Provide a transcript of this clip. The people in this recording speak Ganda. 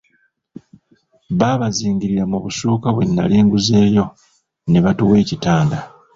Baabazingirira mu busuuka bwe nali nguzeeyo, ne batuwa ekitanda.